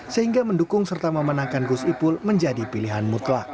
sehingga mendukung serta memenangkan gus ipul menjadi pilihan mutlak